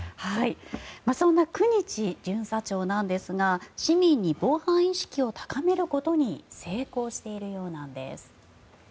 そんな九日巡査長なんですが市民の防犯意識を高めることに成功しているようなんです。